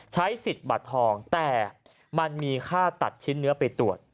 ใช้สิทธิ์บัตรทองแต่มันมีค่าตัดชิ้นเนื้อไปตรวจ